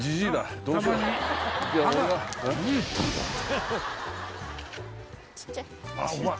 小っちゃい。